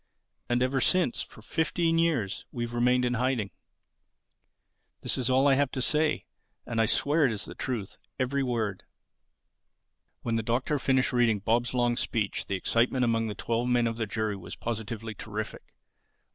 And ever since, for fifteen years, we've remained in hiding. This is all I have to say. And I swear it is the truth, every word." When the Doctor finished reading Bob's long speech the excitement among the twelve men of the jury was positively terrific.